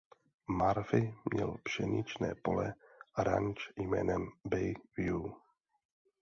Murphy měl pšeničné pole a ranč jménem Bay View.